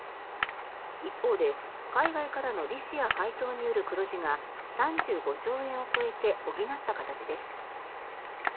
一方で、海外からの利子や配当による黒字が３５兆円を超えて補った形です。